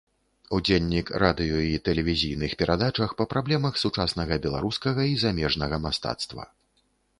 Удзельнік радыё і тэлевізійных перадачах па праблемах сучаснага беларускага і замежнага мастацтва.